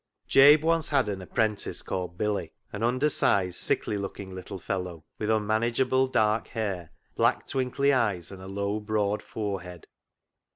Jabe once had an apprentice called Billy — an undersized, sickly looking little fellow with unmanageable dark hair, black twinkly eyes, and a low, broad forehead.